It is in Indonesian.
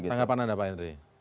tanggapan anda pak hendri